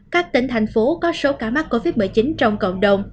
các tỉnh thành phố có số ca mắc covid một mươi chín